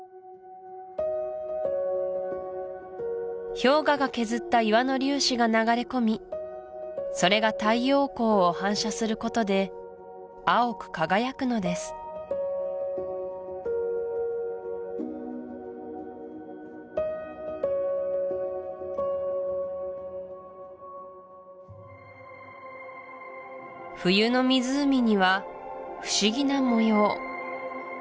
氷河が削った岩の粒子が流れ込みそれが太陽光を反射することで青く輝くのです冬の湖には不思議な模様